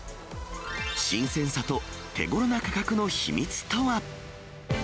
新鮮さと手ごろな価格の秘密とは。